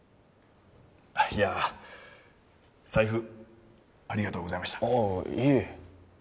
いや財布ありがとうございましたああいえ